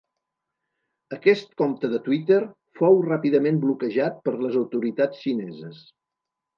Aquest compte de Twitter fou ràpidament bloquejat per les autoritats xineses.